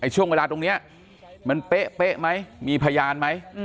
ช่วงเวลาตรงเนี่ยมันเป๊ะมั้ยมีพยานมั้ย